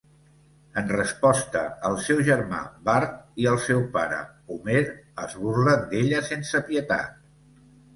En resposta, el seu germà Bart i el seu pare Homer es burlen d'ella sense pietat.